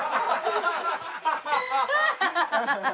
ハハハハ！